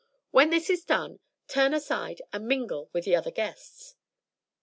When this is done, turn aside and mingle with the other guests.'